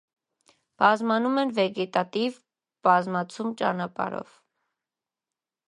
Բազմանում են վեգետատիվ բազմացում ճանապարհով։